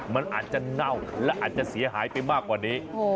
มันอาจจะเน่าและอาจจะเสียหายไปมากกว่านี้